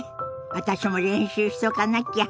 私も練習しとかなきゃ。